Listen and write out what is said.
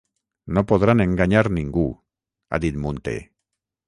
No podran enganyar ningú –ha dit Munté–.